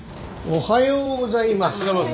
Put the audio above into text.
おはようございます。